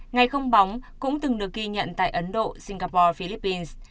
ngày không bóng cũng từng được ghi nhận tại ấn độ singapore philippines